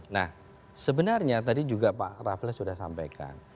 nah sebenarnya tadi juga pak raffles sudah sampaikan